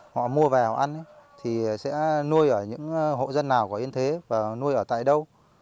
họ mua vào ăn thì sẽ nuôi ở những hộ dân nào có yên thế và nuôi ở tại đâu